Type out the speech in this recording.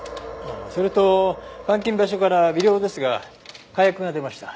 それと監禁場所から微量ですが火薬が出ました。